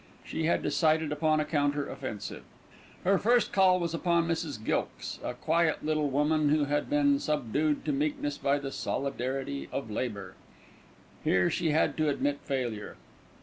She had decided upon a counter offensive. Her first call was upon Mrs. Gilkes, a quiet little woman who had been subdued to meekness by the "solidarity of labour." Here she had to admit failure.